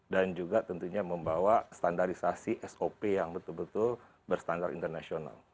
dan juga tentunya membawa standarisasi sop yang betul betul berstandar internasional